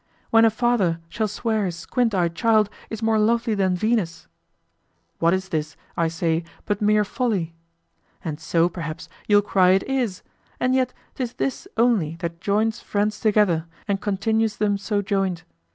When a father shall swear his squint eyed child is more lovely than Venus? What is this, I say, but mere folly? And so, perhaps you'll cry it is; and yet 'tis this only that joins friends together and continues them so joined.